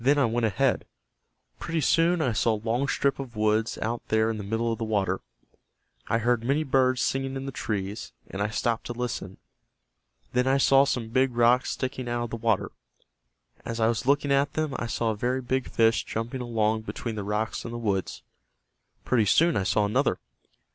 "Then I went ahead. Pretty soon I saw a long strip of woods out there in the middle of the water. I heard many birds singing in the trees, and I stopped to listen. Then I saw some big rocks sticking out of the water. As I was looking at them I saw a very big fish jumping along between the rocks and the woods. Pretty soon I saw another.